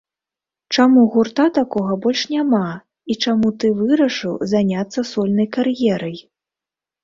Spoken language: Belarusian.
Чаму гурта такога больш няма, і чаму ты вырашыў заняцца сольнай кар'ерай?